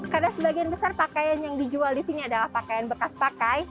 karena sebagian besar pakaian yang dijual di sini adalah pakaian bekas pakai